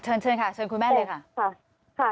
เชิญเชิญค่ะเชิญคุณแม่เลยค่ะ